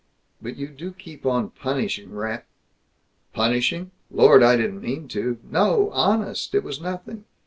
But you do keep on punishing ra " "Punishing? Lord, I didn't mean to! No! Honest! It was nothing.